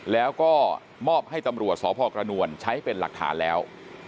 แล้วก็มอบให้ตำรวจสพกระนวลใช้เป็นหลักฐานแล้ว